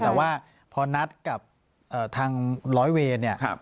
แต่ว่าพอนัดกับทางร้อยเวน